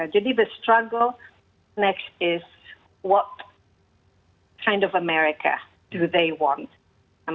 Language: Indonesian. jadi pertempuran berikutnya adalah apa jenis amerika yang mereka inginkan